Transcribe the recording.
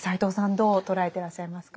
どう捉えてらっしゃいますか？